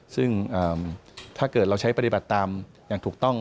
ซึ่งถ้าเกิดเราใช้ปฏิบัติตามอย่างถูกต้อง